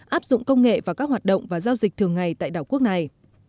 áp dụng công nghệ vào các hoạt động và giao dịch thường ngày tại đảo quốc này